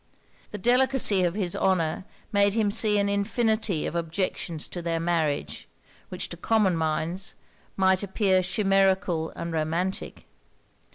The delicacy of his honour made him see an infinity of objections to their marriage, which to common minds might appear chimerical and romantic.